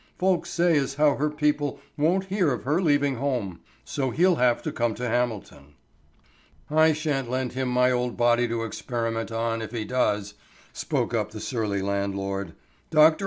"Folks say as how her people won't hear of her leaving home. So he'll have to come to Hamilton." "I sha'n't lend him my old body to experiment on, if he does," spoke up the surly landlord. "Dr.